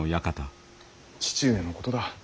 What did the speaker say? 父上のことだ。